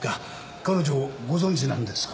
彼女ご存じなんですか？